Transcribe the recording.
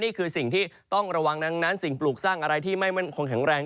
นี่คือสิ่งที่ต้องระวังดังนั้นสิ่งปลูกสร้างอะไรที่ไม่มั่นคงแข็งแรง